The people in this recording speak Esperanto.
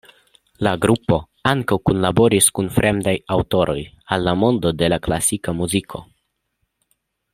La grupo ankaŭ kunlaboris kun fremdaj aŭtoroj al la mondo de la klasika muziko.